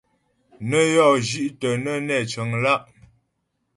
Nə́ yɔ́ zhi'tə nə́ nɛ́ cəŋ lá'.